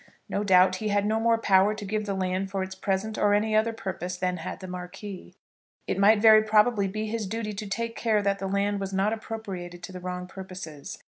No doubt he had no more power to give the land for its present or any other purpose than had the Marquis. It might very probably be his duty to take care that the land was not appropriated to wrong purposes.